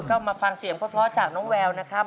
ก็มาฟังเสียงเพราะจากน้องแววนะครับ